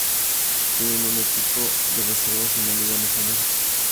Tienen un equipo de reserva en la Liga Nacional.